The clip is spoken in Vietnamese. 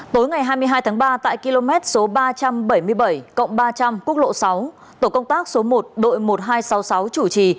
tối ngày hai mươi hai tháng ba tại km số ba trăm bảy mươi bảy ba trăm linh quốc lộ sáu tổ công tác số một đội một nghìn hai trăm sáu mươi sáu chủ trì